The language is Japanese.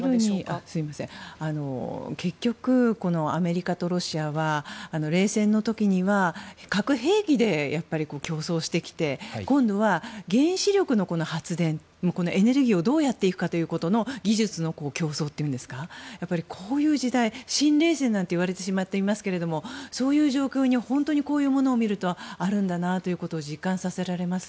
結局、アメリカとロシアは冷戦の時には核兵器で競争してきて今度は原子力の発電エネルギーをどうやっていくかという技術の競争というんですかこういう時代、新冷戦なんていわれてしまっていますけどそういう状況に本当にこういうものを見るとあるんだなということを実感させられます。